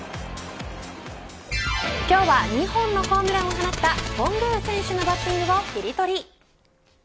今日は２本のホームランを放った頓宮選手のバッティングをキリトリ。